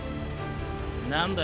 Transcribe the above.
何だ？